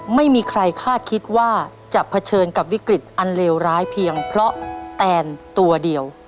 ไม่มีใครคาดคิดว่าจะเผชิญกับวิกฤตอันเลวร้ายเพียงเพราะแตนตัวเดียว